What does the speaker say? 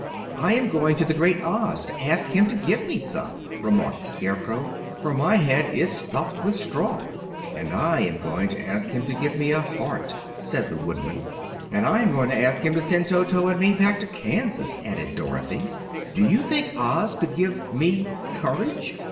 "I am going to the Great Oz to ask him to give me some," remarked the Scarecrow, "for my head is stuffed with straw." "And I am going to ask him to give me a heart," said the Woodman. "And I am going to ask him to send Toto and me back to Kansas," added Dorothy. "Do you think Oz could give me courage?"